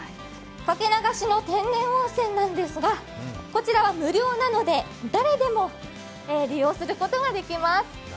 かけ流しの天然温泉なんですがこちらは無料なので誰でも利用することができます。